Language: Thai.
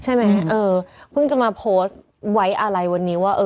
ใช่ไหมเออเพิ่งจะมาโพสต์ไว้อะไรวันนี้ว่าเออ